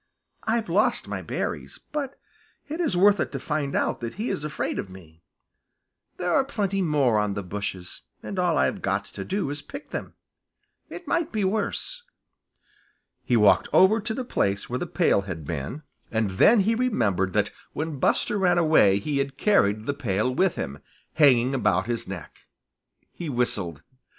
"I've lost my berries, but it is worth it to find out that he is afraid of me. There are plenty more on the bushes, and all I've got to do is to pick them. It might be worse." He walked over to the place where the pail had been, and then he remembered that when Buster ran away he had carried the pail with him, hanging about his neck. He whistled.